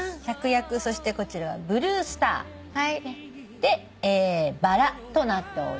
そしてこちらはブルースター。でバラとなっております。